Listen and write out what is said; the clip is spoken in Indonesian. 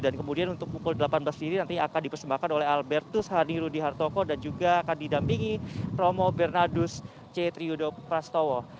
dan kemudian untuk pukul delapan belas ini nanti akan dipersembahkan oleh albertus harding rudi hartoko dan juga akan didampingi romo bernardus c triyudoprastowo